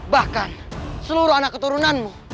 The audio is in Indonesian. bahkan seluruh anak keturunanmu